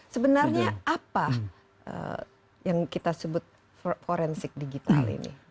sebenarnya apa yang kita sebut forensik digital ini